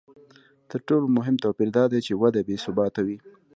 تر ټولو مهم توپیر دا دی چې وده بې ثباته وي